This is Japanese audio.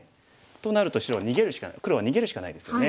となると黒は逃げるしかないですよね。